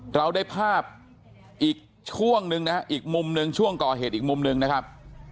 เราได้ภาพอีกช่วงหนึ่งนะฮะอีกมุมหนึ่งช่วงก่อเหตุอีกมุมหนึ่งนะครับ